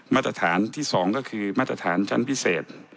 มาตรฐานที่๒ก็คือมาตรฐานชั้นพิเศษ